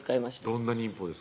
どんな忍法ですか？